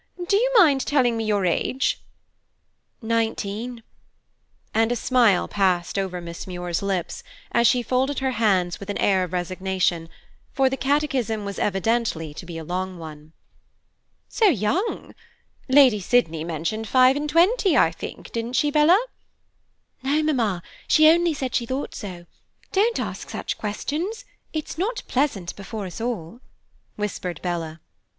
Do you mind telling me your age?" "Nineteen." And a smile passed over Miss Muir's lips, as she folded her hands with an air of resignation, for the catechism was evidently to be a long one. "So young! Lady Sydney mentioned five and twenty, I think, didn't she, Bella?" "No, Mamma, she only said she thought so. Don't ask such questions. It's not pleasant before us all," whispered Bella.